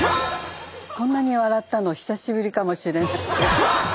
こんなに笑ったの久しぶりかもしれない。